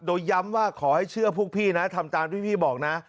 โดยย้ำว่าขอให้เชื่อพวกพี่นะทำตามที่พี่บอกนะ